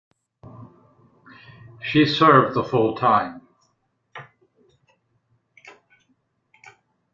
She served the full time.